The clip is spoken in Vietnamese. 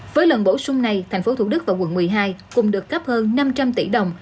với lần bổ sung này thành phố thủ đức và quận một mươi hai cùng được cấp hơn năm trăm linh tỷ đồng